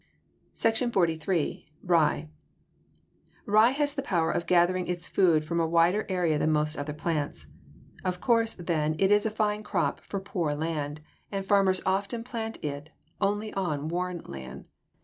SECTION XLIII. RYE Rye has the power of gathering its food from a wider area than most other plants. Of course, then, it is a fine crop for poor land, and farmers often plant it only on worn land.